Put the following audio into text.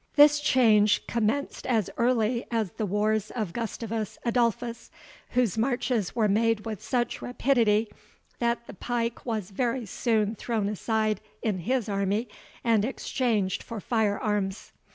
This change commenced as early as the wars of Gustavus Adolphus, whose marches were made with such rapidity, that the pike was very soon thrown aside in his army, and exchanged for fire arms.